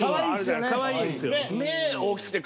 かわいいっすよね。